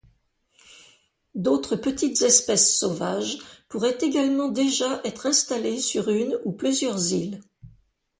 D'autres petites espèces sauvages pourraient également déjà être installées sur une ou plusieurs îles.